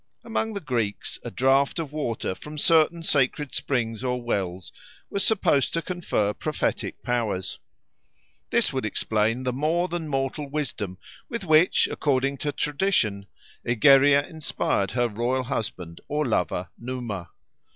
Among the Greeks a draught of water from certain sacred springs or wells was supposed to confer prophetic powers. This would explain the more than mortal wisdom with which, according to tradition, Egeria inspired her royal husband or lover Numa.